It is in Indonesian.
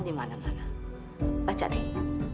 di mana mana baca nih